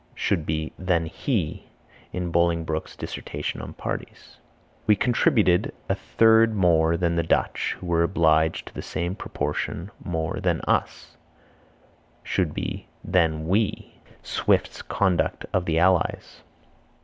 Should be than he. Bolingbroke's Dissertations on Parties. "We contributed a third more than the Dutch, who were obliged to the same proportion more than us." Should be than we. Swift's Conduct of the Allies.